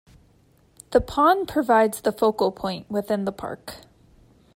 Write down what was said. The pond provides the focal point within the park.